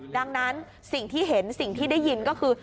ดังนั้นสิ่งที่เห็นสิ่งที่ได้ยินก็คือ